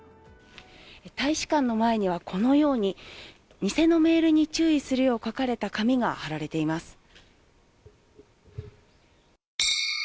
大使館の前には、このように偽のメールに注意するよう書かれた紙が貼られています。